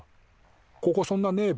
ここそんなねえべ？